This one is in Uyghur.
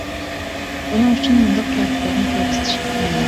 بۇنىڭ ئۈچۈن مۇنداق پاكىتلارنى كۆرسىتىش كۇپايە.